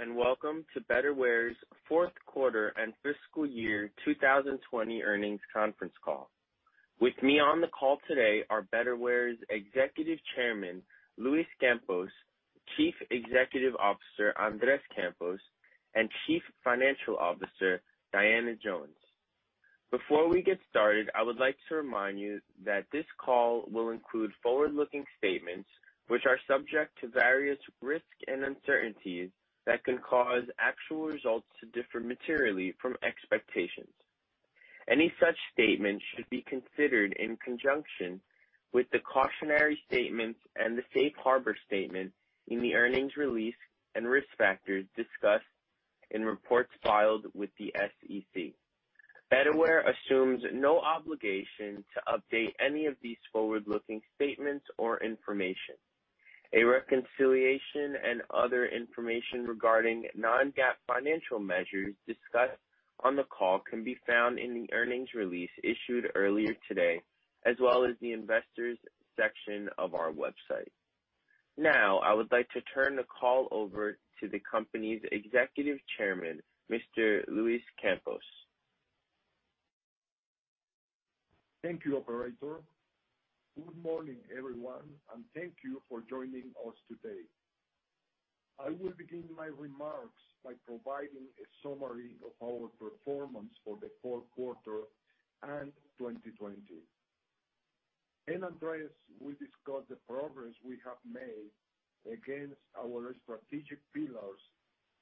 Thank you. Welcome to Betterware's fourth quarter and fiscal year 2020 earnings conference call. With me on the call today are Betterware's Executive Chairman, Luis Campos, Chief Executive Officer, Andres Campos, and Chief Financial Officer, Diana Jones. Before we get started, I would like to remind you that this call will include forward-looking statements, which are subject to various risks and uncertainties that can cause actual results to differ materially from expectations. Any such statements should be considered in conjunction with the cautionary statements and the Safe Harbor statement in the earnings release and risk factors discussed in reports filed with the SEC. Betterware assumes no obligation to update any of these forward-looking statements or information. A reconciliation and other information regarding non-GAAP financial measures discussed on the call can be found in the earnings release issued earlier today, as well as the investors section of our website. Now, I would like to turn the call over to the company's Executive Chairman, Mr. Luis Campos. Thank you, operator. Good morning, everyone, and thank you for joining us today. I will begin my remarks by providing a summary of our performance for the fourth quarter and 2020. Andrés will discuss the progress we have made against our strategic pillars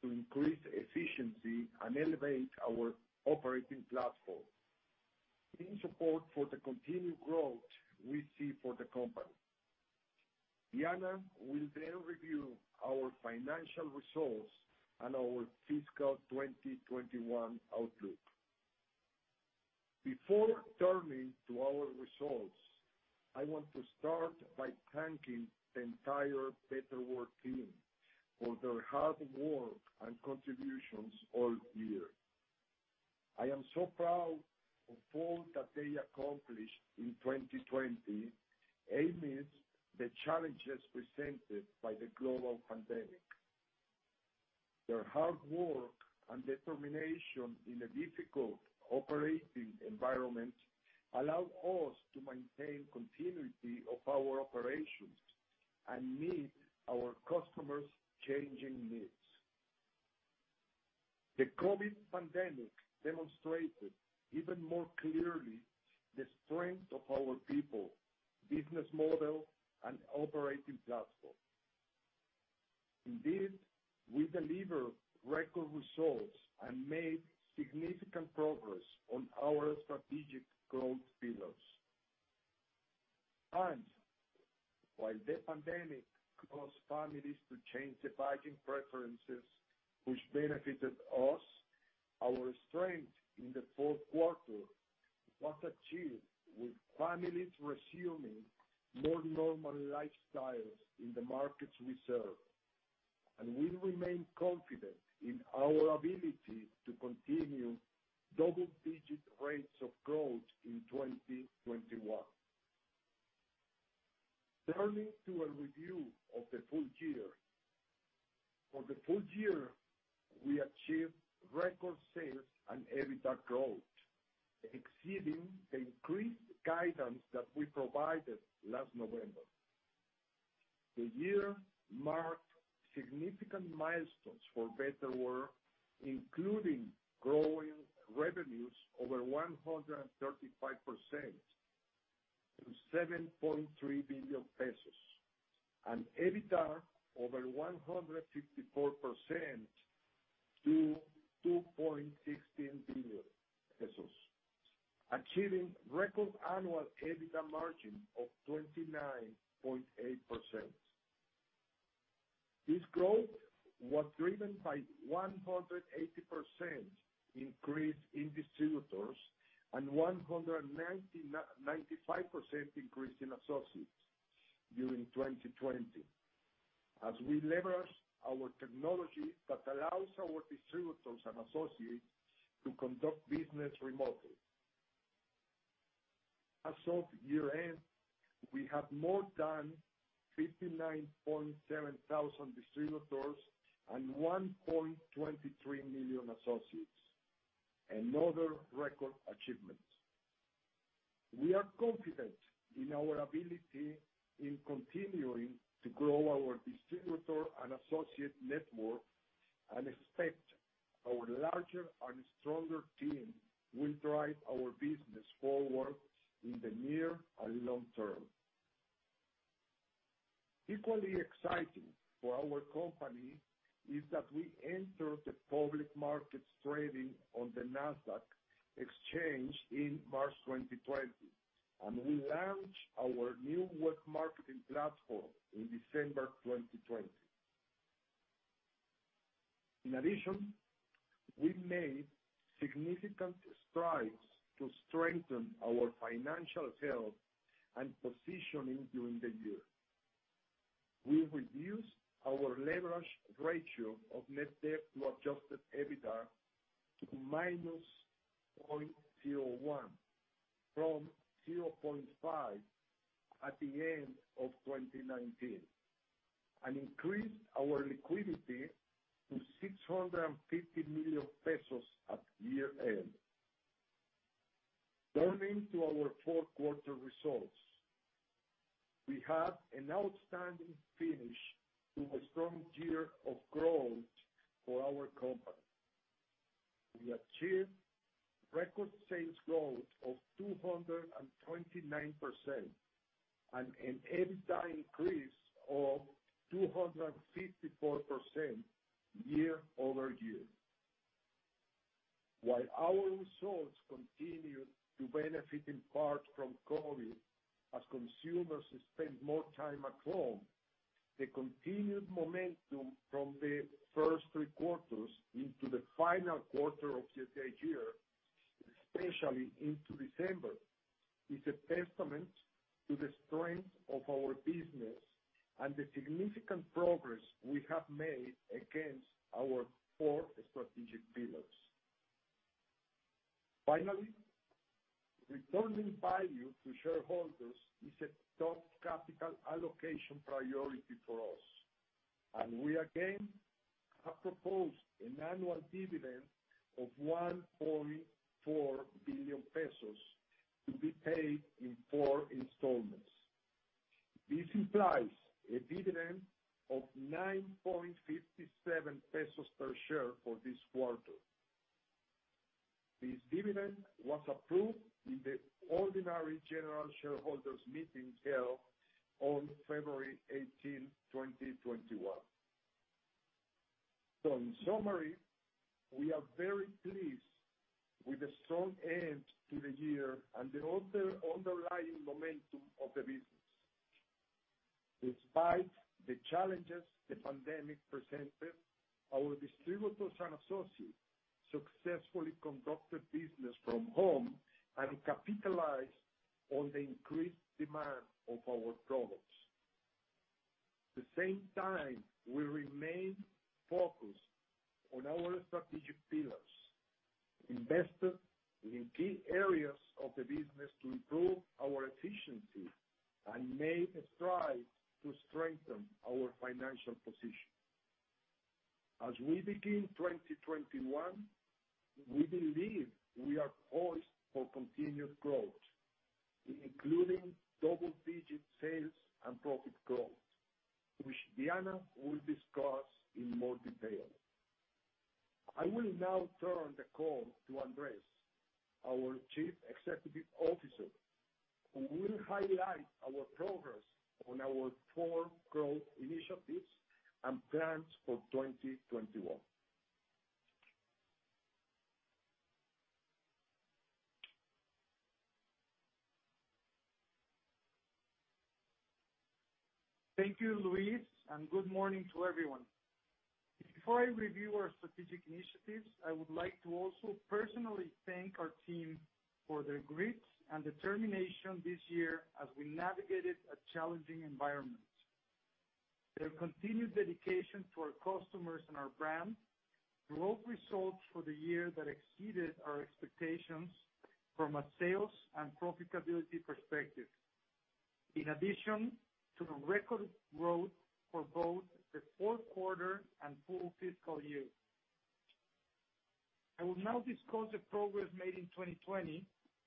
to increase efficiency and elevate our operating platform in support for the continued growth we see for the company. Diana will review our financial results and our fiscal 2021 outlook. Before turning to our results, I want to start by thanking the entire Betterware team for their hard work and contributions all year. I am so proud of all that they accomplished in 2020 amidst the challenges presented by the global pandemic. Their hard work and determination in a difficult operating environment allowed us to maintain continuity of our operations and meet our customers' changing needs. The COVID pandemic demonstrated even more clearly the strength of our people, business model, and operating platform. Indeed, we delivered record results and made significant progress on our strategic growth pillars. While the pandemic caused families to change their buying preferences, which benefited us, our strength in the fourth quarter was achieved with families resuming more normal lifestyles in the markets we serve. We remain confident in our ability to continue double-digit rates of growth in 2021. Turning to a review of the full year. For the full year, we achieved record sales and EBITDA growth, exceeding the increased guidance that we provided last November. The year marked significant milestones for Betterware, including growing revenues over 135% to 7.3 billion pesos and EBITDA over 154% to 2.16 billion pesos, achieving record annual EBITDA margin of 29.8%. This growth was driven by 180% increase in distributors and 195% increase in associates during 2020, as we leveraged our technology that allows our distributors and associates to conduct business remotely. As of year-end, we have more than 59,700 distributors and 1.23 million associates, another record achievement. We are confident in our ability in continuing to grow our distributor and associate network and expect our larger and stronger team will drive our business forward in the near and long term. Equally exciting for our company is that we entered the public markets trading on the Nasdaq exchange in March 2020, and we launched our new web marketing platform in December 2020. In addition, we made significant strides to strengthen our financial health and positioning during the year. We reduced our leverage ratio of net debt to adjusted EBITDA to -0.01 from 0.5 at the end of 2019, and increased our liquidity to 650 million pesos at year-end. Turning to our fourth quarter results, we had an outstanding finish to a strong year of growth for our company. We achieved record sales growth of 229%, an EBITDA increase of 254% year-over-year. While our results continued to benefit in part from COVID, as consumers spend more time at home, the continued momentum from the first three quarters into the final quarter of the year, especially into December, is a testament to the strength of our business and the significant progress we have made against our four strategic pillars. Finally, returning value to shareholders is a top capital allocation priority for us, and we again have proposed an annual dividend of 1.4 billion pesos to be paid in four installments. This implies a dividend of 9.57 pesos per share for this quarter. This dividend was approved in the ordinary general shareholders' meeting held on February 18, 2021. In summary, we are very pleased with the strong end to the year and the underlying momentum of the business. Despite the challenges the pandemic presented, our distributors and associates successfully conducted business from home and capitalized on the increased demand of our products. At the same time, we remained focused on our strategic pillars, invested in key areas of the business to improve our efficiency, and made strides to strengthen our financial position. As we begin 2021, we believe we are poised for continued growth, including double-digit sales and profit growth, which Diana will discuss in more detail. I will now turn the call to Andres, our Chief Executive Officer, who will highlight our progress on our four growth initiatives and plans for 2021. Thank you, Luis, and good morning to everyone. Before I review our strategic initiatives, I would like to also personally thank our team for their grit and determination this year as we navigated a challenging environment. Their continued dedication to our customers and our brand drove results for the year that exceeded our expectations from a sales and profitability perspective. In addition to the record growth for both the fourth quarter and full fiscal year. I will now discuss the progress made in 2020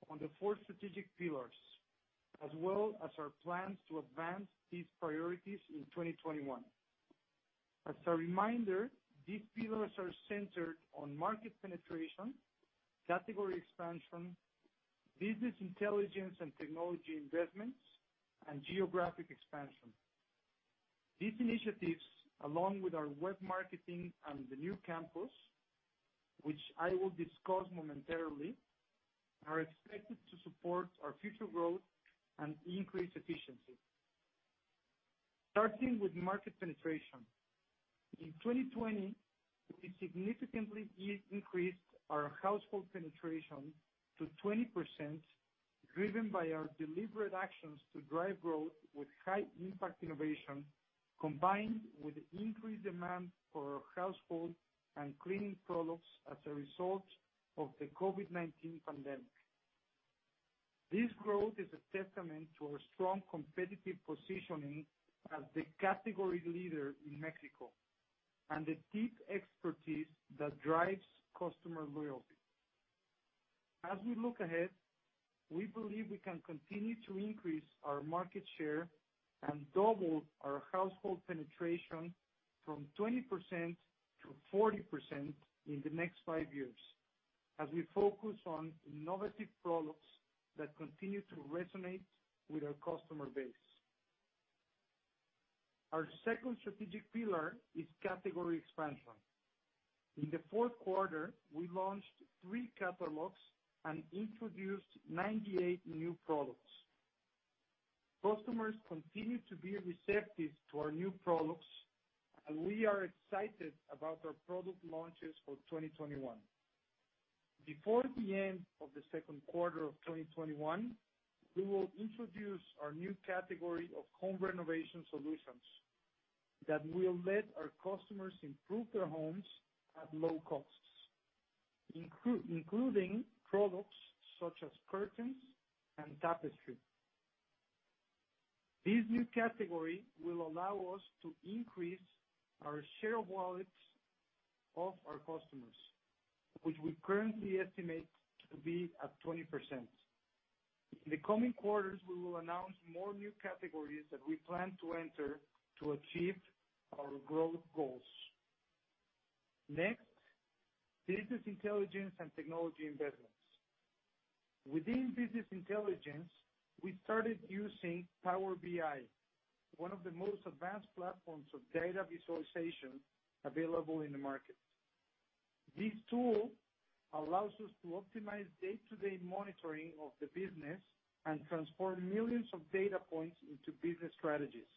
on the four strategic pillars, as well as our plans to advance these priorities in 2021. As a reminder, these pillars are centered on market penetration, category expansion, business intelligence and technology investments, and geographic expansion. These initiatives, along with our web marketing and the new campus, which I will discuss momentarily, are expected to support our future growth and increase efficiency. Starting with market penetration. In 2020, we significantly increased our household penetration to 20%, driven by our deliberate actions to drive growth with high impact innovation, combined with increased demand for household and cleaning products as a result of the COVID-19 pandemic. This growth is a testament to our strong competitive positioning as the category leader in Mexico, and the deep expertise that drives customer loyalty. As we look ahead, we believe we can continue to increase our market share and double our household penetration from 20% to 40% in the next five years as we focus on innovative products that continue to resonate with our customer base. Our second strategic pillar is category expansion. In the fourth quarter, we launched three catalogs and introduced 98 new products. Customers continue to be receptive to our new products, and we are excited about our product launches for 2021. Before the end of the second quarter of 2021, we will introduce our new category of home renovation solutions that will let our customers improve their homes at low costs, including products such as curtains and tapestry. This new category will allow us to increase our share of wallets of our customers, which we currently estimate to be at 20%. In the coming quarters, we will announce more new categories that we plan to enter to achieve our growth goals. Next, business intelligence and technology investments. Within business intelligence, we started using Power BI, one of the most advanced platforms of data visualization available in the market. This tool allows us to optimize day-to-day monitoring of the business and transform millions of data points into business strategies.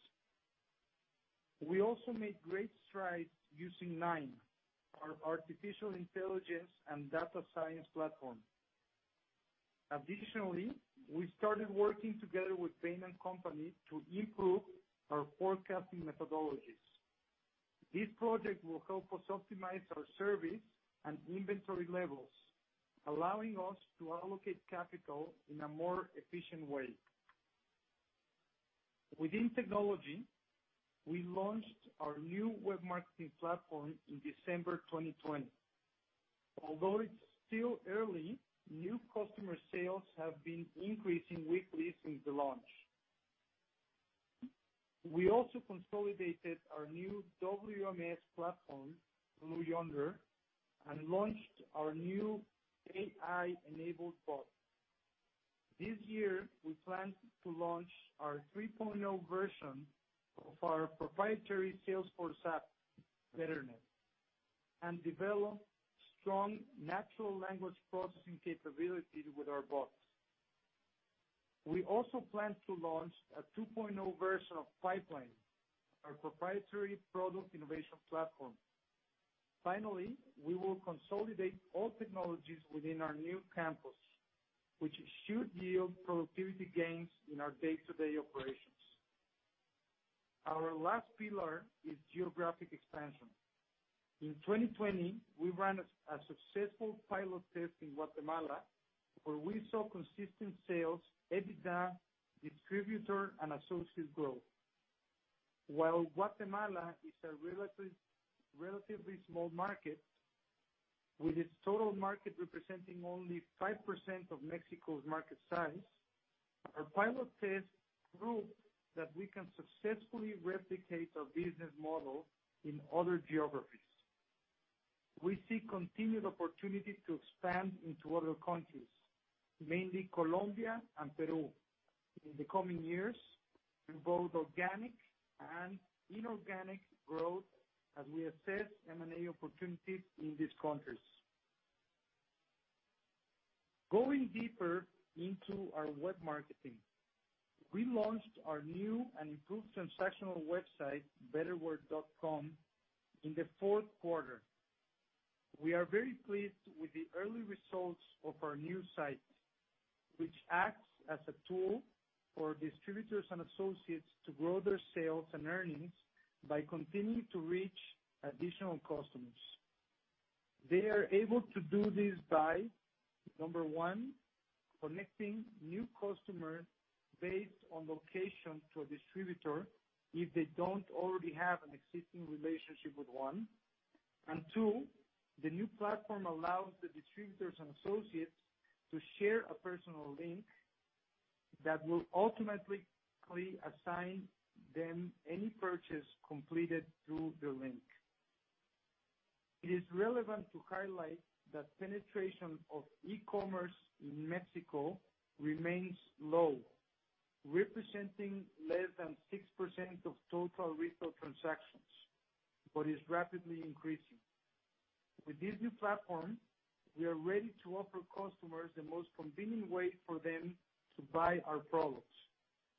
We also made great strides using KNIME, our artificial intelligence and data science platform. Additionally, we started working together with Bain & Company to improve our forecasting methodologies. This project will help us optimize our service and inventory levels, allowing us to allocate capital in a more efficient way. Within technology, we launched our new web marketing platform in December 2020. Although it's still early, new customer sales have been increasing weekly since the launch. We also consolidated our new WMS platform, Blue Yonder, and launched our new AI-enabled bot. This year, we plan to launch our 3.0 version of our proprietary sales force app, BetterNet, and develop strong natural language processing capabilities with our bots. We also plan to launch a 2.0 version of Pipeline, our proprietary product innovation platform. Finally, we will consolidate all technologies within our new campus, which should yield productivity gains in our day-to-day operations. Our last pillar is geographic expansion. In 2020, we ran a successful pilot test in Guatemala, where we saw consistent sales, EBITDA, distributor, and associate growth. While Guatemala is a relatively small market, with its total market representing only 5% of Mexico's market size, our pilot test proved that we can successfully replicate our business model in other geographies. We see continued opportunity to expand into other countries, mainly Colombia and Peru, in the coming years through both organic and inorganic growth as we assess M&A opportunities in these countries. Going deeper into our web marketing, we launched our new and improved transactional website, betterware.com.mx, in the fourth quarter. We are very pleased with the early results of our new site, which acts as a tool for distributors and associates to grow their sales and earnings by continuing to reach additional customers. They are able to do this by, number one, connecting new customers based on location to a distributor if they don't already have an existing relationship with one, and two, the new platform allows the distributors and associates to share a personal link that will automatically assign them any purchase completed through the link. It is relevant to highlight that penetration of e-commerce in Mexico remains low, representing less than 6% of total retail transactions, but is rapidly increasing. With this new platform, we are ready to offer customers the most convenient way for them to buy our products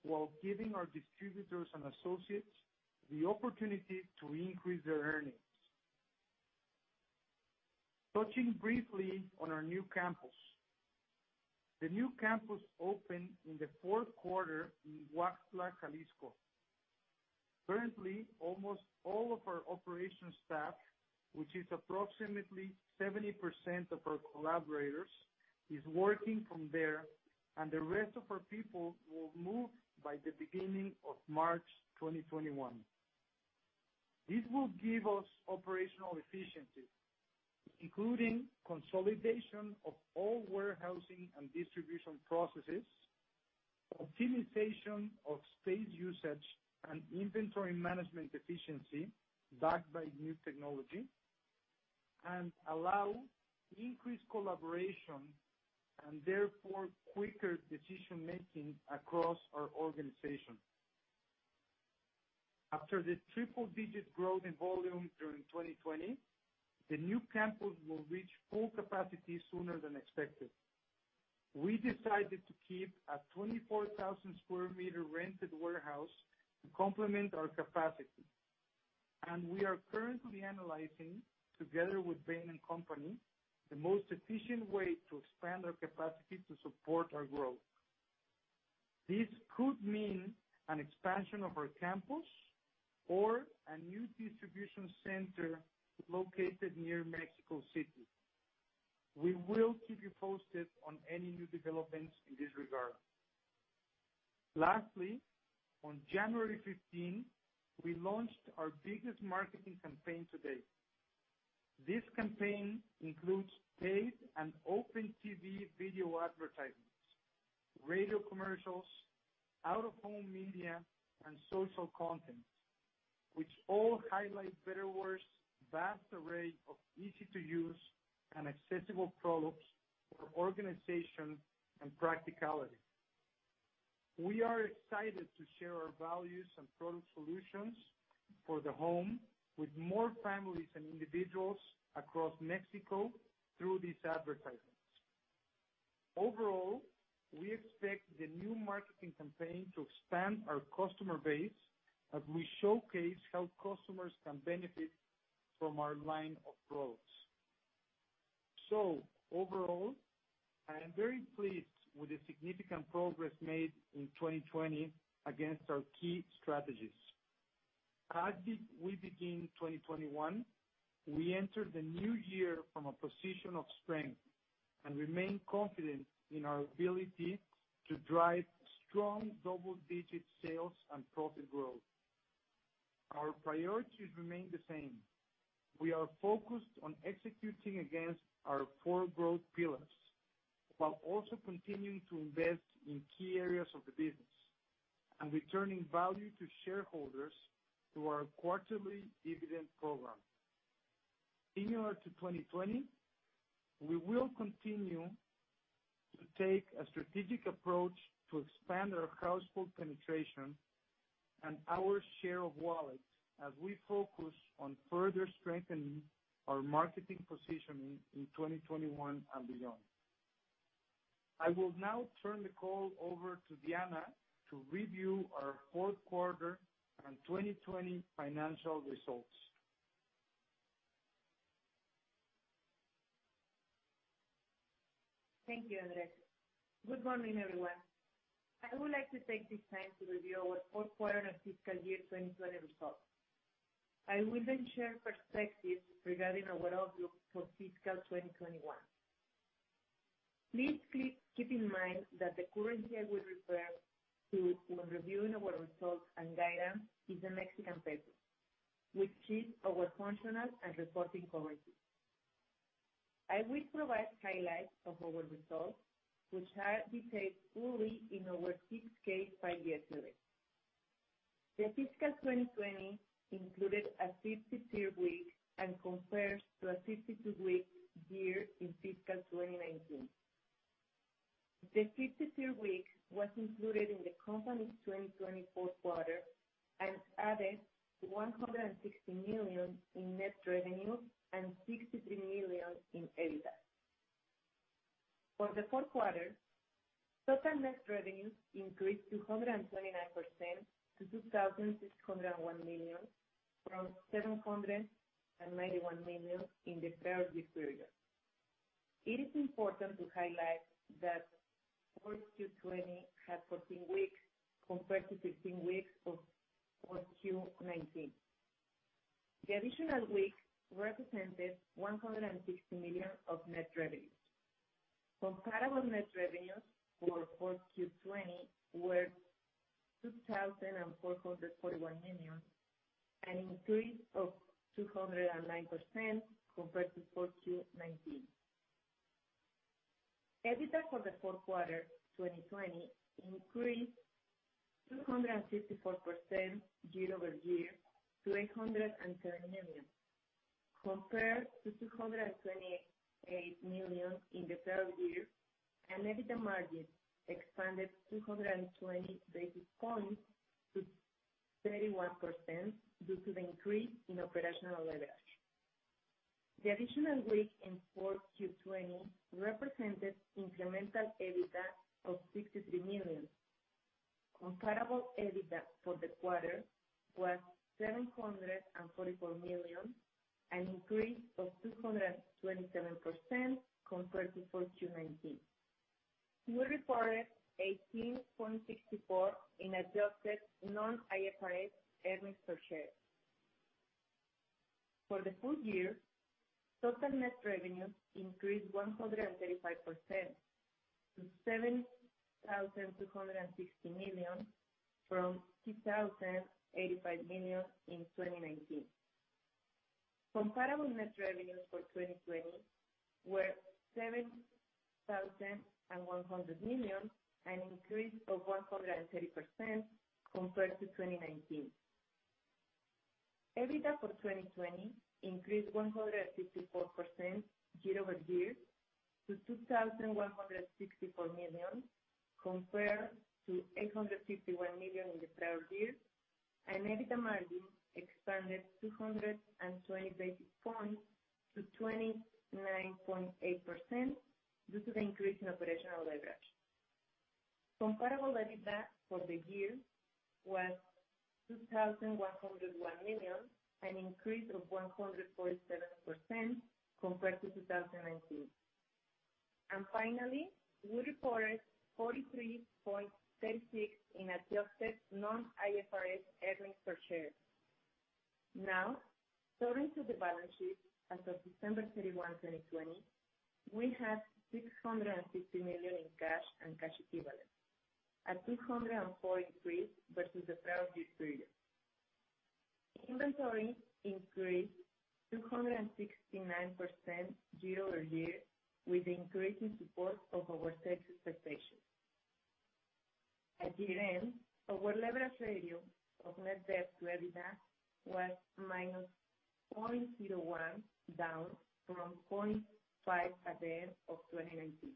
while giving our distributors and associates the opportunity to increase their earnings. Touching briefly on our new campus. The new campus opened in the fourth quarter in El Arenal, Jalisco. Currently, almost all of our operation staff, which is approximately 70% of our collaborators, is working from there, and the rest of our people will move by the beginning of March 2021. This will give us operational efficiency, including consolidation of all warehousing and distribution processes, optimization of space usage, and inventory management efficiency backed by new technology, and allow increased collaboration, and therefore quicker decision-making across our organization. After the triple-digit growth in volume during 2020, the new campus will reach full capacity sooner than expected. We decided to keep a 24,000 sq m rented warehouse to complement our capacity, and we are currently analyzing, together with Bain & Company, the most efficient way to expand our capacity to support our growth. This could mean an expansion of our campus or a new distribution center located near Mexico City. We will keep you posted on any new developments in this regard. On January 15, we launched our biggest marketing campaign to date. This campaign includes paid and open TV video advertisements, radio commercials, out-of-home media, and social content, which all highlight Betterware's vast array of easy-to-use and accessible products for organization and practicality. We are excited to share our values and product solutions for the home with more families and individuals across Mexico through these advertisements. We expect the new marketing campaign to expand our customer base as we showcase how customers can benefit from our line of products. I am very pleased with the significant progress made in 2020 against our key strategies. As we begin 2021, we enter the new year from a position of strength and remain confident in our ability to drive strong double-digit sales and profit growth. Our priorities remain the same. We are focused on executing against our four growth pillars, while also continuing to invest in key areas of the business and returning value to shareholders through our quarterly dividend program. Similar to 2020, we will continue to take a strategic approach to expand our household penetration and our share of wallet as we focus on further strengthening our marketing positioning in 2021 and beyond. I will now turn the call over to Diana to review our fourth quarter and 2020 financial results. Thank you, Andrés. Good morning, everyone. I would like to take this time to review our fourth quarter and fiscal year 2020 results. I will share perspectives regarding our outlook for fiscal 2021. Please keep in mind that the currency I will refer to when reviewing our results and guidance is the Mexican peso, which keeps our functional and reporting currency. I will provide highlights of our results, which are detailed fully in our 6-K filed yesterday. The fiscal 2020 included a 53-week and compares to a 52-week year in fiscal 2019. The 53 week was included in the company's 2020 fourth quarter and added 160 million in net revenue and 63 million in EBITDA. For the fourth quarter, total net revenues increased 229% to 2,601 million from 791 million in the prior period. It is important to highlight that Q4 2020 had 14 weeks compared to 15 weeks of Q4 2019. The additional weeks represented 160 million of net revenues. Comparable net revenues for Q4 2020 were 2,441 million, an increase of 209% compared to Q4 2019. EBITDA for the fourth quarter 2020 increased 254% year-over-year to 830 million, compared to 228 million in the prior year, and EBITDA margin expanded 220 basis points to 31% due to the increase in operational leverage. The additional week in Q4 2020 represented incremental EBITDA of 63 million. Comparable EBITDA for the quarter was 744 million, an increase of 227% compared to Q4 2019. We reported 18.64 in adjusted non-IFRS earnings per share. For the full year, total net revenues increased 135% to 7,260 million from 2,085 million in 2019. Comparable net revenues for 2020 were 7,100 million, an increase of 130% compared to 2019. EBITDA for 2020 increased 154% year-over-year to 2,164 million, compared to 851 million in the prior year. EBITDA margin expanded 220 basis points to 29.8% due to the increase in operational leverage. Comparable EBITDA for the year was 2,101 million, an increase of 147% compared to 2019. Finally, we reported 43.36 in adjusted non-IFRS earnings per share. Turning to the balance sheet. As of December 31, 2020, we had 650 million in cash and cash equivalents, a 204% increase versus the prior year period. Inventory increased 269% year-over-year with increasing support of our sales expectations. At year-end, our leverage ratio of net debt to EBITDA was -0.01, down from 0.5 at the end of 2019.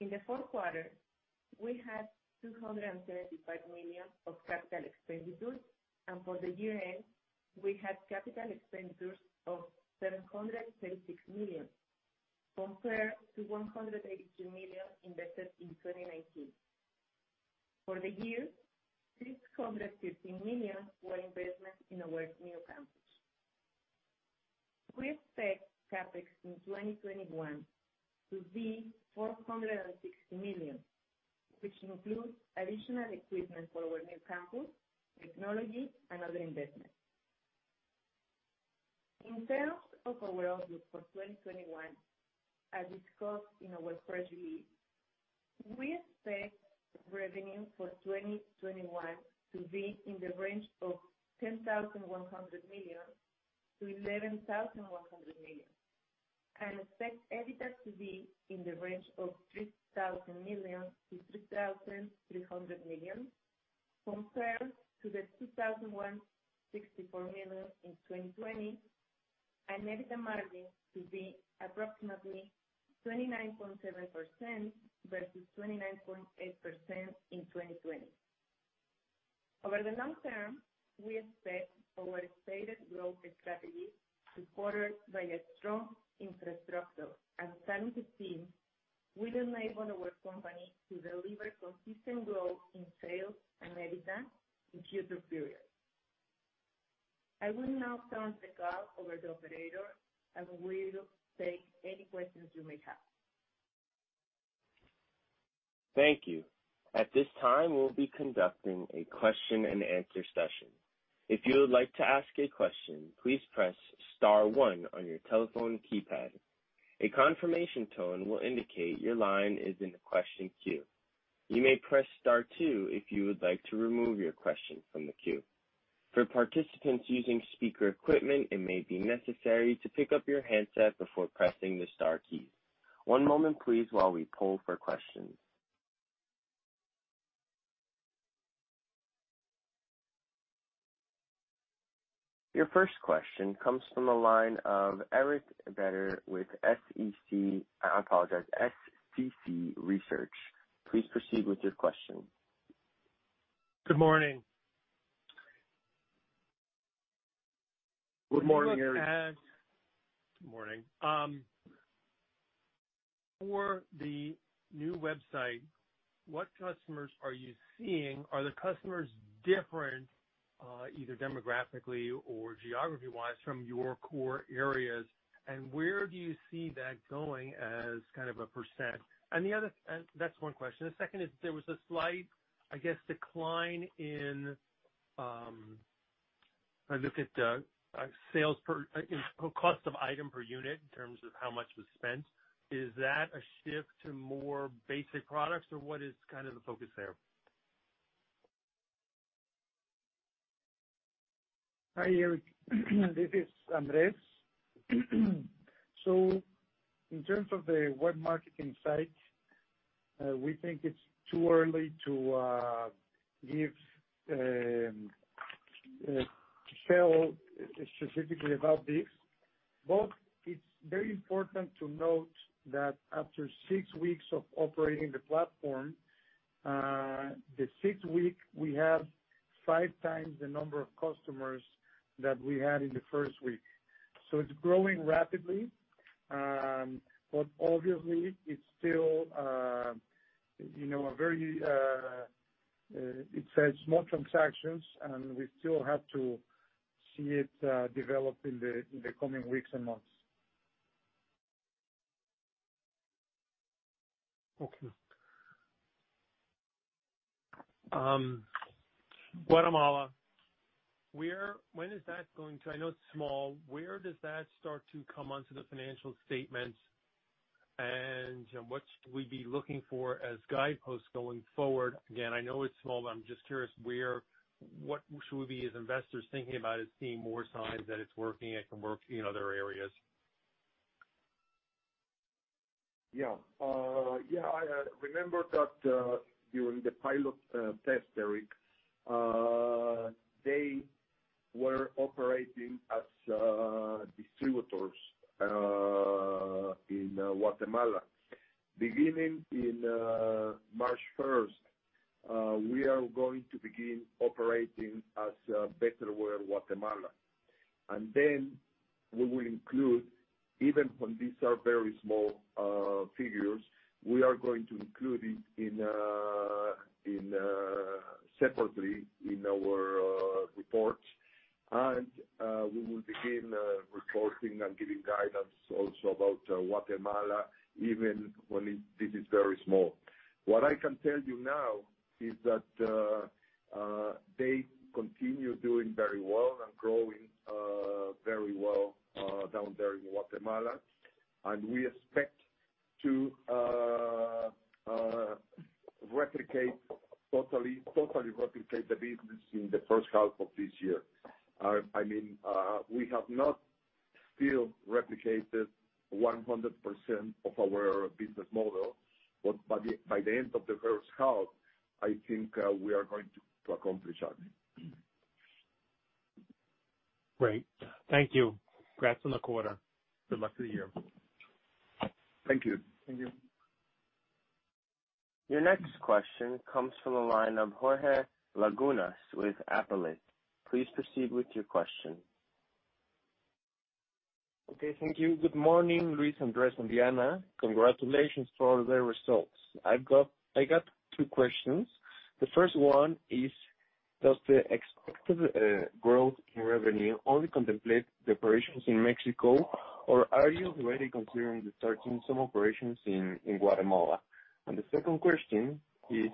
In the fourth quarter, we had 275 million of capital expenditures, and for the year-end, we had capital expenditures of 736 million, compared to 182 million invested in 2019. For the year, 650 million were investment in our new campus. We expect CapEx in 2021 to be 460 million, which includes additional equipment for our new campus, technology and other investments. In terms of our outlook for 2021, as discussed in our press release, we expect revenue for 2021 to be in the range of 10,100 million-11,100 million and expect EBITDA to be in the range of 3,000 million-3,300 million, compared to the 2,164 million in 2020, and EBITDA margin to be approximately 29.7% versus 29.8% in 2020. Over the long term, we expect our stated growth strategy, supported by a strong infrastructure and talented team, will enable our company to deliver consistent growth in sales and EBITDA in future periods. I will now turn the call over to the operator as we take any questions you may have. Thank you. At this time, we'll be conducting a question and answer session. If you would like to ask a question, please press star one on your telephone keypad. A confirmation tone will indicate your line is in the question queue. You may press star two if you would like to remove your question from the queue. For participants using speaker equipment, it may be necessary to pick up your handset before pressing the star key. One moment, please, while we poll for questions. Your first question comes from the line of Eric Beder with SEC, I apologize, SCC Research. Please proceed with your question. Good morning. Good morning, Eric. Good morning. For the new website, what customers are you seeing? Are the customers different, either demographically or geography-wise, from your core areas, and where do you see that going as a %? That's one question. The second is there was a slight, I guess, decline in, I looked at the cost of item per unit in terms of how much was spent. Is that a shift to more basic products or what is the focus there? Hi, Eric, this is Andres. In terms of the web marketing site, we think it's too early to tell specifically about this. It's very important to note that after six weeks of operating the platform, the sixth week, we have five times the number of customers that we had in the first week. It's growing rapidly, obviously it's still very small transactions, and we still have to see it develop in the coming weeks and months. Okay. Guatemala. I know it's small. Where does that start to come onto the financial statements, and what should we be looking for as guideposts going forward? Again, I know it's small. I'm just curious, what should we, as investors, thinking about seeing more signs that it's working, it can work in other areas? Yeah. Remember that during the pilot test, Eric, they were operating as distributors in Guatemala. Beginning in March 1st, we are going to begin operating as Betterware Guatemala. We will include, even when these are very small figures, we are going to include it separately in our reports. We will begin reporting and giving guidance also about Guatemala, even when this is very small. What I can tell you now is that they continue doing very well and growing very well down there in Guatemala. We expect to totally replicate the business in the first half of this year. We have not still replicated 100% of our business model. By the end of the first half, I think we are going to accomplish that. Great. Thank you. Congrats on the quarter. Good luck for the year. Thank you. Thank you. Your next question comes from the line of Jorge Lagunas with Apalache. Please proceed with your question. Thank you. Good morning, Luis, Andrés, and Diana. Congratulations for the results. I got two questions. The first one is, does the expected growth in revenue only contemplate the operations in Mexico, or are you already considering starting some operations in Guatemala? The second question is,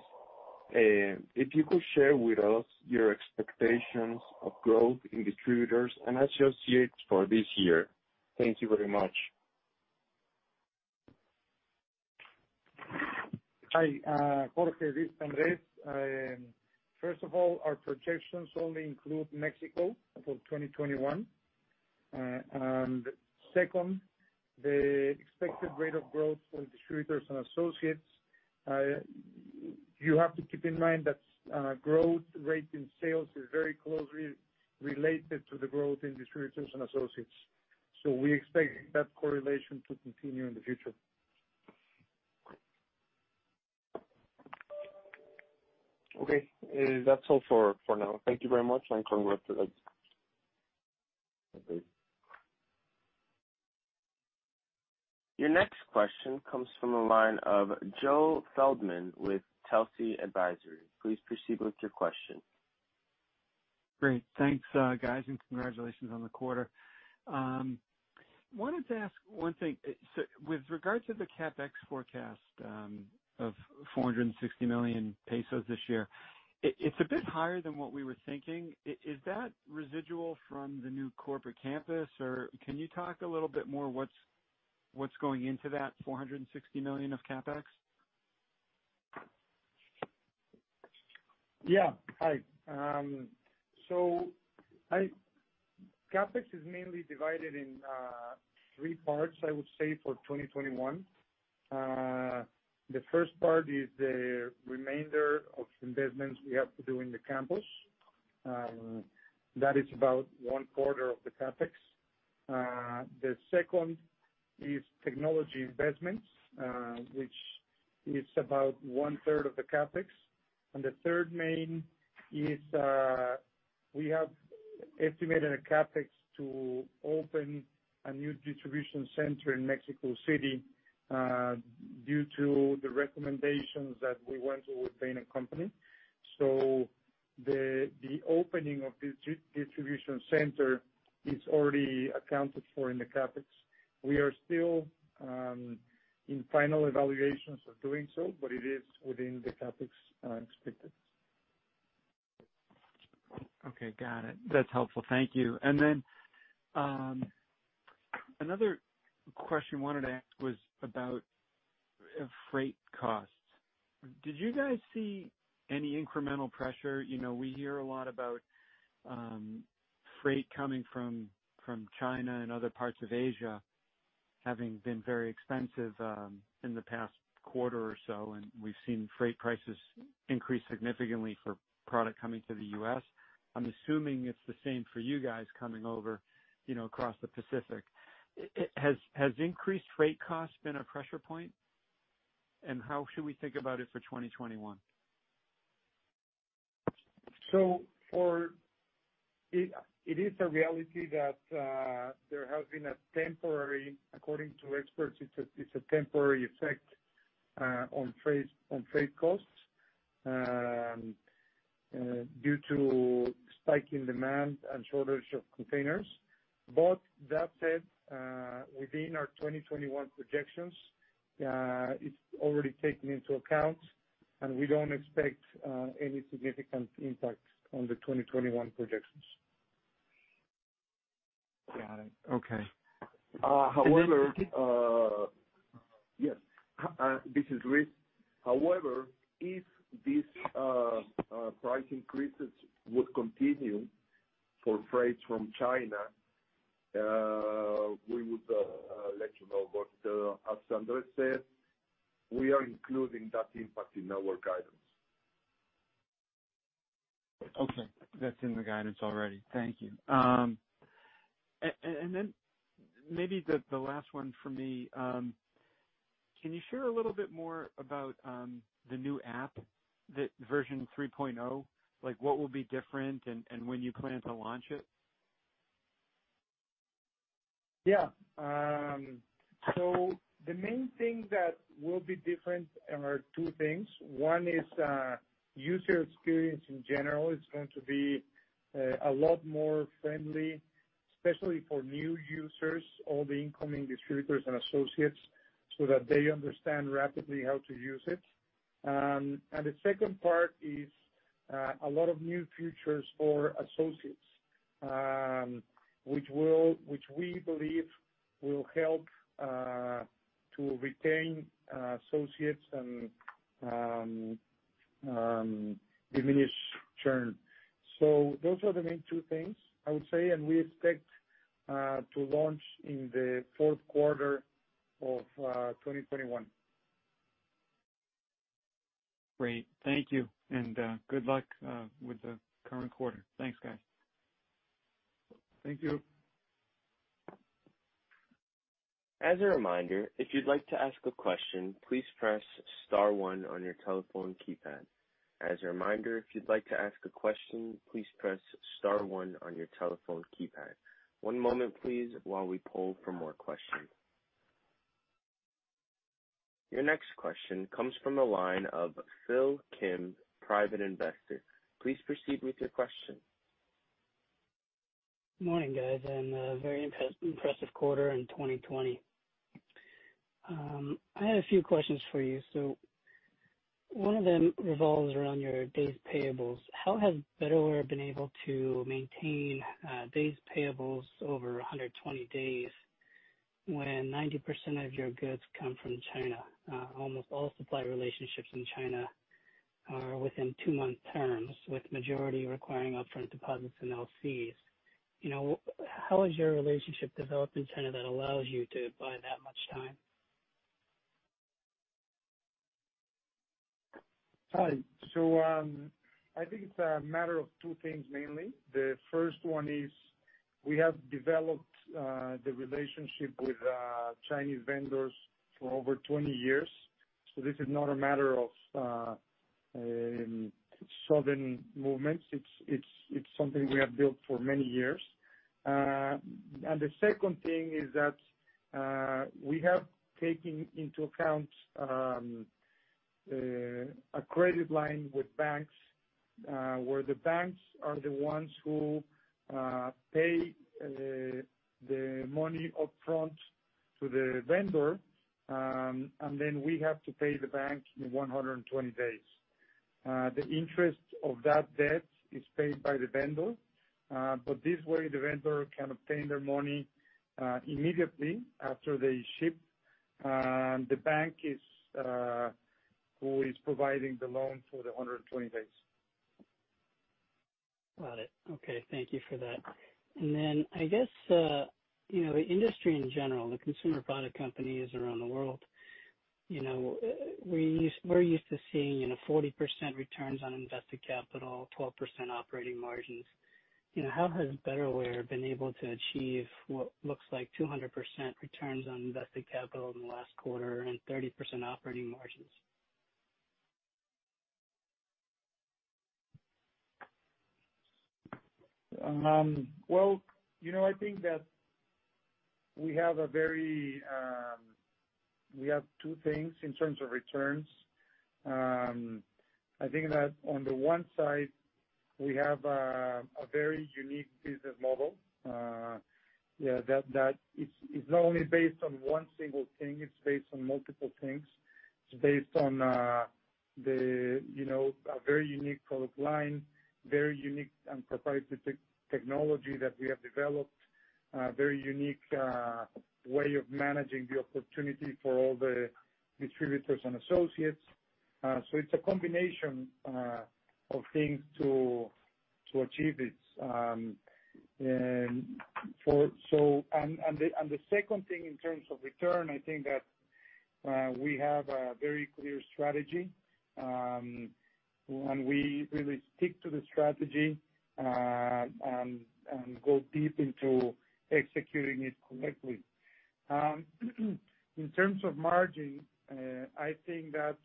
if you could share with us your expectations of growth in distributors and associates for this year. Thank you very much. Hi, Jorge. Luis Andres. First of all, our projections only include Mexico for 2021. Second, the expected rate of growth for distributors and associates, you have to keep in mind that growth rate in sales is very closely related to the growth in distributors and associates. We expect that correlation to continue in the future. Okay. That's all for now. Thank you very much, and congrats. Your next question comes from the line of Joe Feldman with Telsey Advisory. Please proceed with your question. Great. Thanks, guys, and congratulations on the quarter. Wanted to ask one thing. With regard to the CapEx forecast of 460 million pesos this year, it's a bit higher than what we were thinking. Is that residual from the new corporate campus, or can you talk a little bit more what's going into that 460 million of CapEx? Yeah. Hi. CapEx is mainly divided in three parts, I would say, for 2021. The first part is the remainder of investments we have to do in the campus. That is about 1/4 of the CapEx. The second is technology investments, which is about 1/3 of the CapEx. The third main is, we have estimated a CapEx to open a new distribution center in Mexico City due to the recommendations that we want to obtain a company. The opening of the distribution center is already accounted for in the CapEx. We are still in final evaluations of doing so, but it is within the CapEx expected. Okay, got it. That's helpful. Thank you. Another question I wanted to ask was about freight costs. Did you guys see any incremental pressure? We hear a lot about freight coming from China and other parts of Asia having been very expensive in the past quarter or so, and we've seen freight prices increase significantly for product coming to the U.S. I'm assuming it's the same for you guys coming over across the Pacific. Has increased freight cost been a pressure point, and how should we think about it for 2021? It is a reality that there has been a temporary, according to experts, it's a temporary effect on freight costs due to spike in demand and shortage of containers. That said, within our 2021 projections, it's already taken into account, and we don't expect any significant impact on the 2021 projections. Got it. Okay. However- And then- Yes. This is Luis. If these price increases would continue for freights from China, we would let you know. As Andres said, we are including that impact in our guidance. Okay. That's in the guidance already. Thank you. Maybe the last one for me. Can you share a little bit more about the new app, the version 3.0? What will be different, and when do you plan to launch it? Yeah. The main thing that will be different are two things. One is user experience in general. It's going to be a lot more friendly, especially for new users, all the incoming distributors and associates, so that they understand rapidly how to use it. The second part is a lot of new features for associates, which we believe will help to retain associates and diminish churn. Those are the main two things, I would say, and we expect to launch in the fourth quarter of 2021. Great. Thank you, and good luck with the current quarter. Thanks, guys. Thank you. Your next question comes from the line of Phil Kim, private investor. Please proceed with your question. Morning, guys, a very impressive quarter in 2020. I have a few questions for you. One of them revolves around your days payables. How has Betterware been able to maintain days payables over 120 days when 90% of your goods come from China? Almost all supply relationships in China are within two-month terms, with majority requiring upfront deposits and LCs. How has your relationship developed in China that allows you to buy that much time? Hi. I think it's a matter of two things, mainly. The first one is we have developed the relationship with Chinese vendors for over 20 years. This is not a matter of sudden movements. It's something we have built for many years. The second thing is that we have taken into account a credit line with banks, where the banks are the ones who pay the money upfront to the vendor, and then we have to pay the bank in 120 days. The interest of that debt is paid by the vendor. This way, the vendor can obtain their money immediately after they ship. The bank is who is providing the loan for the 120 days. Got it. Okay. Thank you for that. I guess, the industry in general, the consumer product companies around the world, we're used to seeing 40% returns on invested capital, 12% operating margins. How has Betterware been able to achieve what looks like 200% returns on invested capital in the last quarter and 30% operating margins? Well, I think that we have two things in terms of returns. I think that on the one side, we have a very unique business model. That is not only based on one single thing, it's based on multiple things. It's based on a very unique product line, very unique and proprietary technology that we have developed, a very unique way of managing the opportunity for all the distributors and associates. It's a combination of things to achieve it. The second thing in terms of return, I think that we have a very clear strategy. We really stick to the strategy, and go deep into executing it correctly. In terms of margin, I think that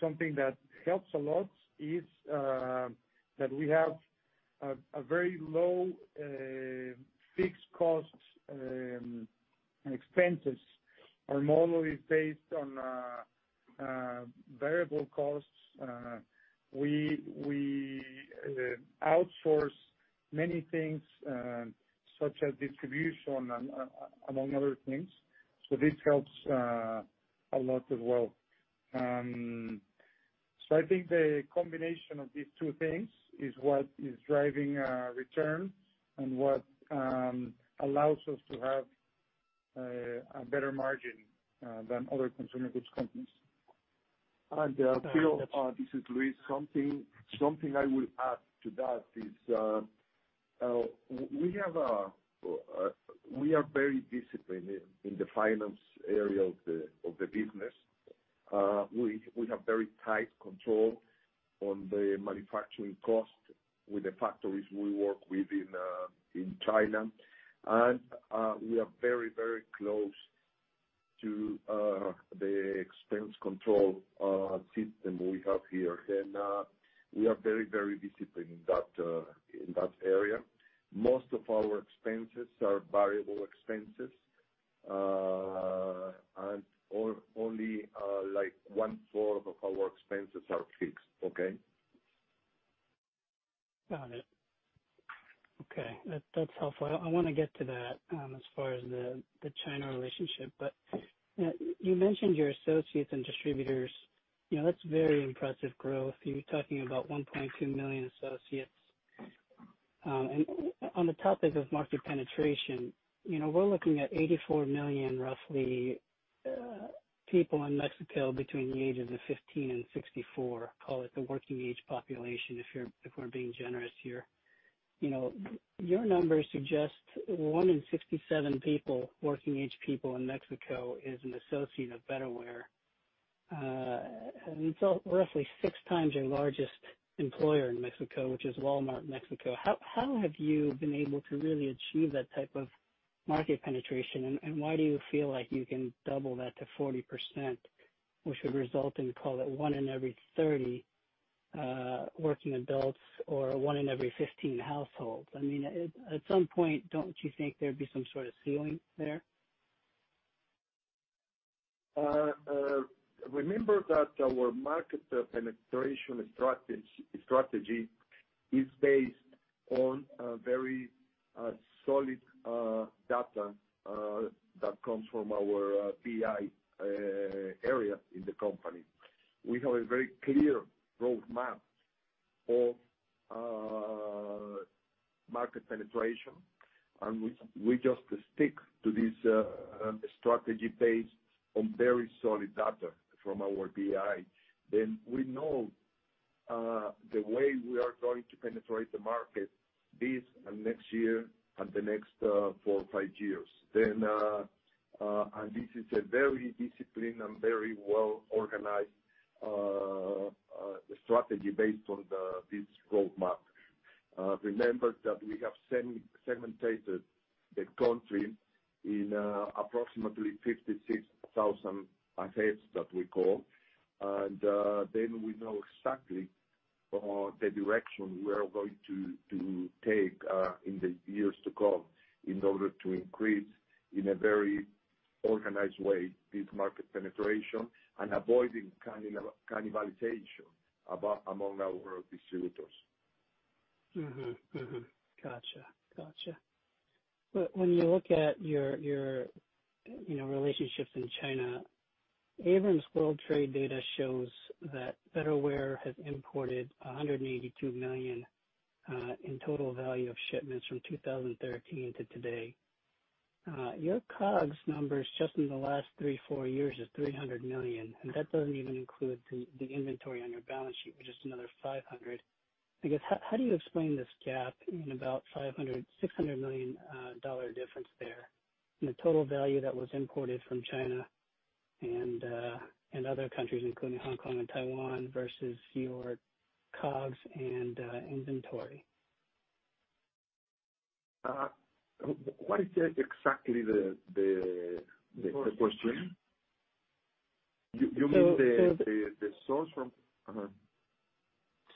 something that helps a lot is that we have a very low fixed cost, and expenses are normally based on variable costs. We outsource many things, such as distribution, among other things. This helps a lot as well. I think the combination of these two things is what is driving our returns and what allows us to have a better margin than other consumer goods companies. Phil, this is Luis. Something I will add to that is, we are very disciplined in the finance area of the business. We have very tight control on the manufacturing cost with the factories we work with in China. We are very close to the expense control system we have here. We are very disciplined in that area. Most of our expenses are variable expenses. Only 1/4 of our expenses are fixed. Okay? Got it. Okay. That's helpful. I want to get to that as far as the China relationship. You mentioned your associates and distributors, that's very impressive growth. You're talking about 1.2 million associates. On the topic of market penetration, we're looking at 84 million, roughly, people in Mexico between the ages of 15 and 64. Call it the working age population, if we're being generous here. Your numbers suggest one in 67 working age people in Mexico is an associate of Betterware. It's roughly six times your largest employer in Mexico, which is Walmart Mexico. How have you been able to really achieve that type of market penetration, and why do you feel like you can double that to 40%, which would result in, call it, one in every 30 working adults or one in every 15 households? I mean, at some point, don't you think there'd be some sort of ceiling there? Remember that our market penetration strategy is based on very solid data that comes from our BI area in the company. We have a very clear roadmap of market penetration, we just stick to this strategy based on very solid data from our BI. We know the way we are going to penetrate the market this and next year and the next four or five years. This is a very disciplined and very well-organized strategy based on this roadmap. Remember that we have segmented the country in approximately 56,000 AGEBs that we call, we know exactly the direction we are going to take in the years to come in order to increase, in a very organized way, this market penetration and avoiding cannibalization among our distributors. Gotcha. When you look at your relationships in China, ABRAMS World Trade Data shows that Betterware has imported $182 million in total value of shipments from 2013 to today. Your COGS numbers just in the last three to four years is $300 million, and that doesn't even include the inventory on your balance sheet, which is another $500. I guess, how do you explain this gap in about $500 million-$600 million difference there in the total value that was imported from China and other countries, including Hong Kong and Taiwan, versus your COGS and inventory? What is exactly the question? You mean the source from Uh-huh.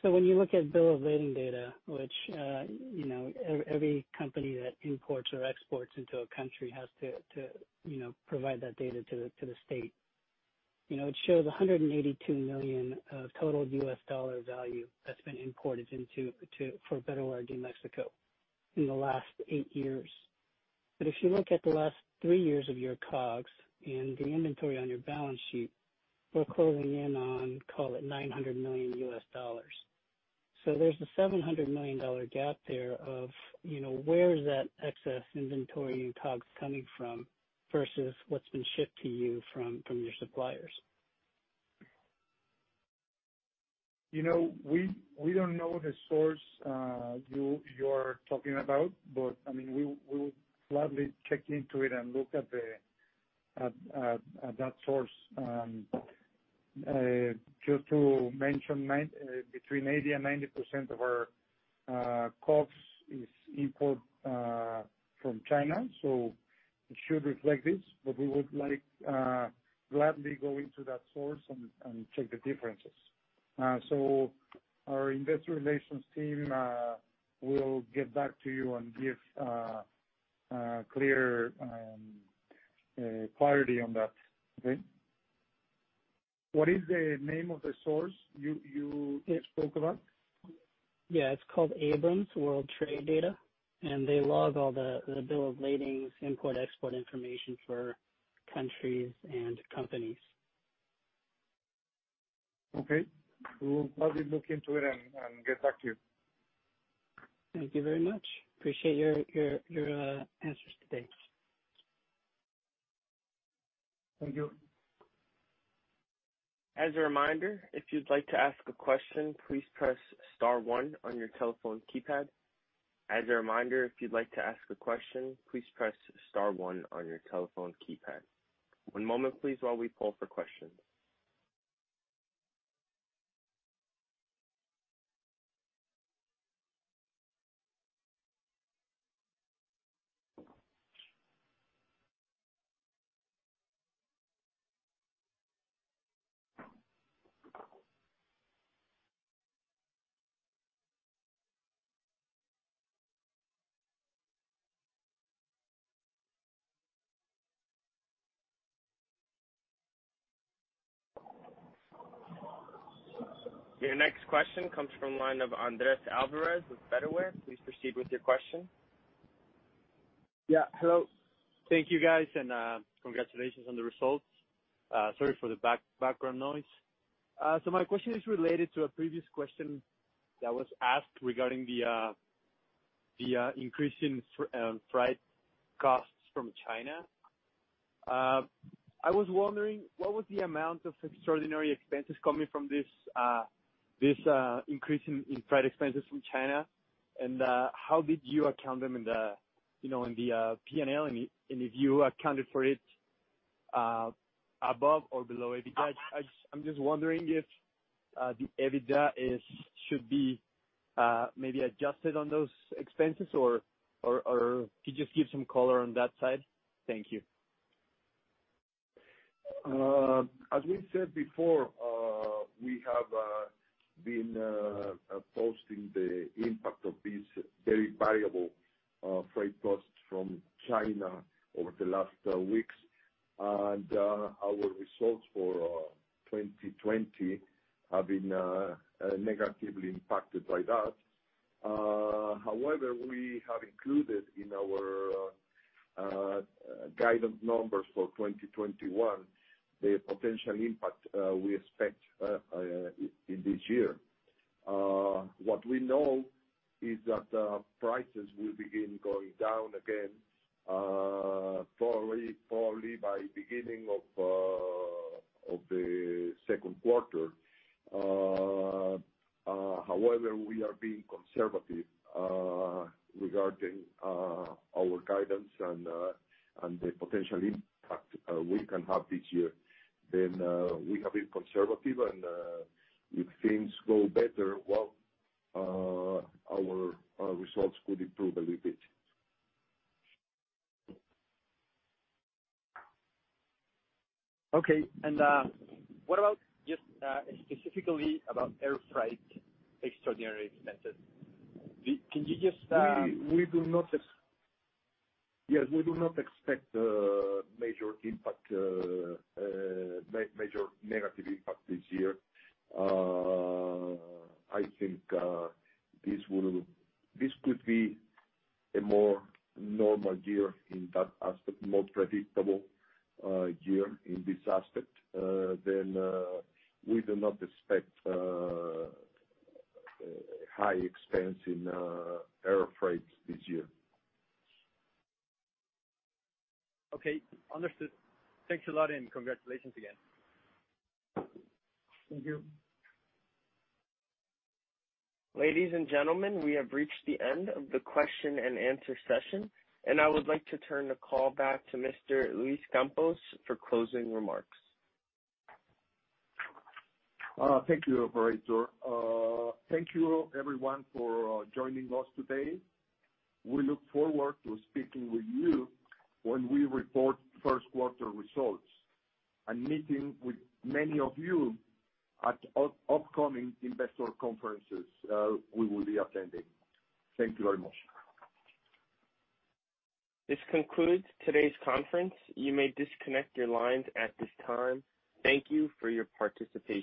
When you look at bill of lading data, which every company that imports or exports into a country has to provide that data to the state. It shows $182 million of total U.S. dollar value that's been imported for Betterware de México in the last eight years. If you look at the last three years of your COGS and the inventory on your balance sheet, we're closing in on, call it, $900 million. There's a $700 million gap there of, where is that excess inventory and COGS coming from versus what's been shipped to you from your suppliers? We don't know the source you are talking about, but we would gladly check into it and look at that source. Just to mention, between 80% and 90% of our COGS is import from China, so it should reflect this. We would gladly go into that source and check the differences. Our investor relations team will get back to you and give clarity on that. Okay? What is the name of the source you spoke about? Yeah. It's called ABRAMS World Trade Data. They log all the bill of ladings import, export information for countries and companies. Okay. We will probably look into it and get back to you. Thank you very much. Appreciate your answers today. Thank you. One moment, please, while we poll for questions. Your next question comes from line of Andres Campos with Betterware. Please proceed with your question. Yeah. Hello. Thank you, guys, and congratulations on the results. Sorry for the background noise. My question is related to a previous question that was asked regarding the increase in freight costs from China. I was wondering what was the amount of extraordinary expenses coming from this increase in freight expenses from China? How did you account them in the P&L? If you accounted for it above or below EBITDA? I'm just wondering if the EBITDA should be maybe adjusted on those expenses or could you just give some color on that side? Thank you. As we said before, we have been posting the impact of these very variable freight costs from China over the last weeks. Our results for 2020 have been negatively impacted by that. We have included in our guidance numbers for 2021 the potential impact we expect in this year. What we know is that prices will begin going down again probably by beginning of the second quarter. We are being conservative regarding our guidance and the potential impact we can have this year. We have been conservative and if things go better, well, our results could improve a little bit. Okay. What about just specifically about air freight extraordinary expenses? Yes, we do not expect major negative impact this year. I think this could be a more normal year in that aspect, more predictable year in this aspect. We do not expect high expense in air freight this year. Okay. Understood. Thanks a lot, and congratulations again. Thank you. Ladies and gentlemen, we have reached the end of the question and answer session, and I would like to turn the call back to Mr. Luis Campos for closing remarks. Thank you, operator. Thank you everyone for joining us today. We look forward to speaking with you when we report first quarter results and meeting with many of you at upcoming investor conferences we will be attending. Thank you very much. This concludes today's conference. You may disconnect your lines at this time. Thank you for your participation.